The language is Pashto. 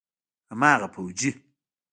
هماغه فوجي.